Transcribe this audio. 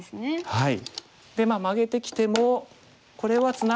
はい。